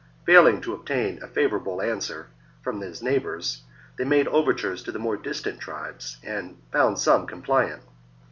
Failing to obtain the Nervii, a favourable answer from their neighbours, they Menapii,' made overtures to the more distant tribes, and andCar found some compliant.